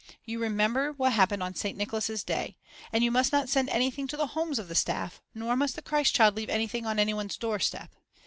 You remember what happened on St. Nicholas' day. And you must not send anything to the homes of the staff, nor must the Christ Child leave anything on any one's doorstep."